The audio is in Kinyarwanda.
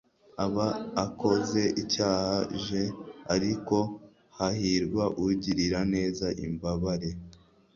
aba akoze icyaha j ariko hahirwa ugirira neza imbabare